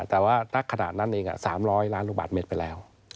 แต่ว่านักขนาดนั้นเอง๓๐๐ล้านลูกบาทเมตรไปแล้ว